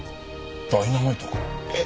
ダイナマイトか。え！？